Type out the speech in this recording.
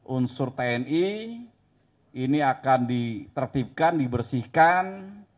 unsur tni ini akan ditertibkan dibersihkan